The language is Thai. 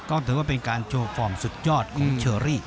ก็ถือว่าเป็นการโชว์ฟอร์มสุดยอดของเชอรี่